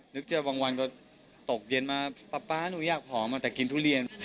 นึกเจอบางวันก็ตกเย็นมาป๊าหนูอยากผอมแต่กินทุเรียน